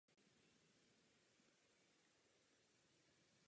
Sociální Evropa připisuje stejný význam hospodářskému rozvoji i sociálnímu rozvoji.